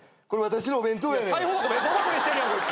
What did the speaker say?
これ私のお弁当やねん。